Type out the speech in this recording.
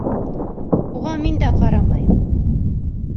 Уға мин дә ҡарамайым.